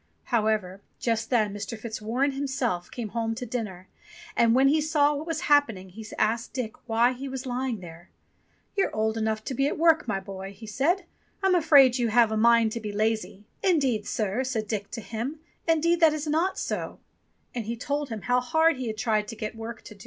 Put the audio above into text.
However, just then Mr. Fitzwarren himself came home to dinner, and when he saw what was happen ing, he asked Dick why he was lying there. "You're old enough to be at work, my boy," he said, have a mind to be lazy." "Indeed, sir," said Dick to him, "indeed that is not so" ; and he told him how hard he had tried to get work to do.